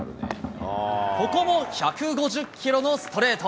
ここも１５０キロのストレート。